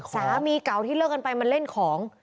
สามีเก่าที่เลิกกันไปมาเล่นของ